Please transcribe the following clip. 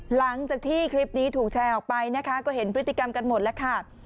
หลังจากที่คลิปนี้ถูกแชร์ออกไปนะคะก็เห็นพฤติกรรมกันหมดแล้วค่ะ